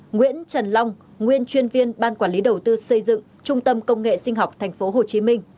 nguyễn trần long nguyên chuyên viên ban quản lý đầu tư xây dựng trung tâm công nghệ sinh học tp hcm